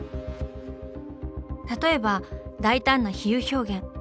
例えば大胆な比喩表現。